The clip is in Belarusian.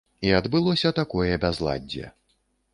І адбылося такое бязладдзе.